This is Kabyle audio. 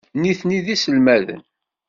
Nitni d iselmaden.